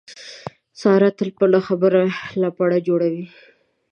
ساره تل په نه خبره لپړه جوړوي.